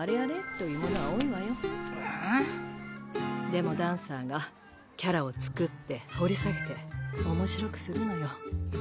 でもダンサーがキャラを作って掘り下げて面白くするのよ。